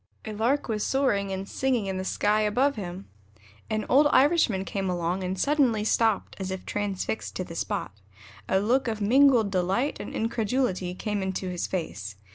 A Lark was soaring and singing in the sky above him. An old Irishman came along and suddenly stopped as if transfixed to the spot. A look of mingled delight and incredulity came into his face.